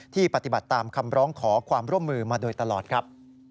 ปฏิบัติตามคำร้องขอความร่วมมือมาโดยตลอดครับ